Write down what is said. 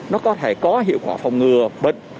nó có thể có hiệu quả phòng ngừa bệnh